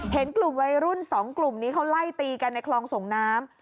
เห็นกลุ่มวัยรุ่น๒กลุ่มนี้เขาไล่ตีกันในคลองส่งน้ำ